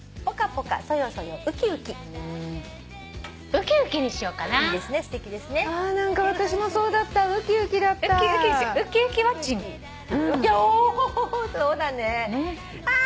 おそうだね。